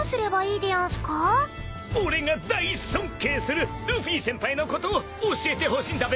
俺が大尊敬するルフィ先輩のことを教えてほしいんだべ。